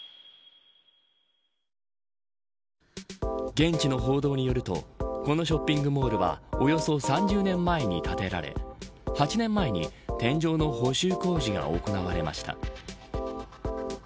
現地の報道によるとこのショッピングモールはおよそ３０年前に建てられ８年前に天井の補修工事が行われました。